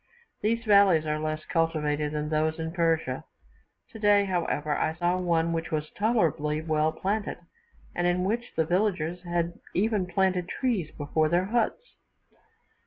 These valleys are less cultivated than those in Persia; today, however, I saw one which was tolerably well planted, and in which the villagers had even planted trees before their huts.